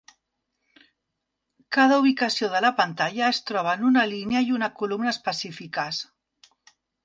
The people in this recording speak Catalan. Cada ubicació de la pantalla es troba en una línia i una columna específiques.